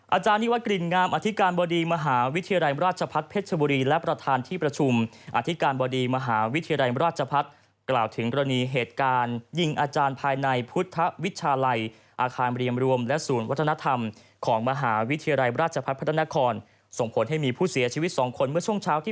อาจารย์นิวัตรกลิ่นงามอธิการบดีมหาวิทยาลัยราชพัฒน์เพชรชบุรีและประธานที่ประชุมอธิการบดีมหาวิทยาลัยราชพัฒน์กล่าวถึงกรณีเหตุการณ์ยิงอาจารย์ภายในพุทธวิชาลัยอาคารเรียมรวมและศูนย์วัฒนธรรมของมหาวิทยาลัยราชพัฒน์พระนครส่งผลให้มีผู้เสียชีวิต๒คนเมื่อช่วงเช้าที่